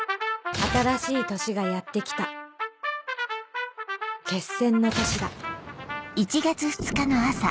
新しい年がやって来た決戦の年だ